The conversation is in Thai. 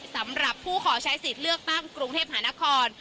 สำหรับผู้ขอใช้สิทธิ์เลือกตั้งกรุงเทพหานคร